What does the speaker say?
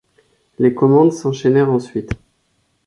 Les commandes s’enchaînèrent ensuite.